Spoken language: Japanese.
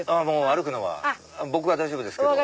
歩くのは僕は大丈夫ですけど。